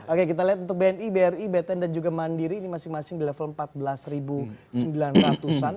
oke kita lihat untuk bni bri btn dan juga mandiri ini masing masing di level empat belas sembilan ratus an